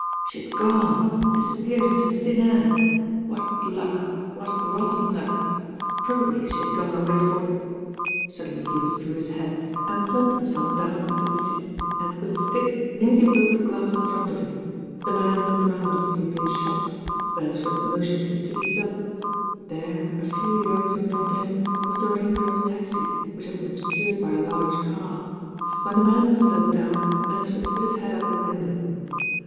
She had gone. Disappeared into thin air. What luck, what rotten luck I Probably she had gone away fo r Suddenly he withdrew his head and plumped him THE PURSUIT TO FOLKESTONE 1«5 self down on to the scat, and with his stick nearly broke the glass in front of him. The man looked round as if he had been she t BeresforJ motioned him to ease up. There a h^r yards in ront of him was the Rain Girl's taxi, which had been obscured by a large car. When the man had slowed down, Beresford put his head out of the window.